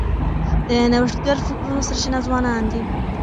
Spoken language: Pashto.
د نوښتګر فکرونو سرچینه ځوانان دي.